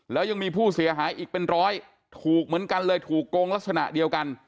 แล้วยังมีผู้เสียหายอีกเป็นร้อยถูกเหมือนกันเลยถูกโกงลักษณะเดียวกัน